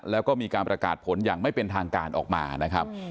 แล้วก็มีการประกาศผลอย่างไม่เป็นทางการออกมานะครับ